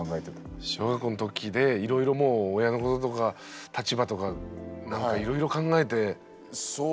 小学校の時でいろいろもう親のこととか立場とかなんかいろいろ考えて。